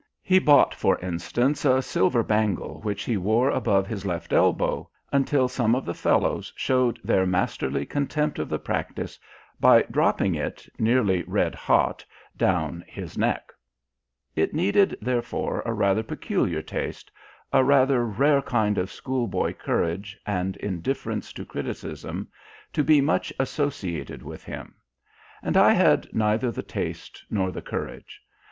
He bought, for instance, a silver bangle, which he wore above his left elbow, until some of the fellows showed their masterly contempt of the practice by dropping it nearly red hot down his neck. It needed, therefore, a rather peculiar taste, a rather rare kind of schoolboy courage and indifference to criticism, to be much associated with him. And I had neither the taste nor the courage.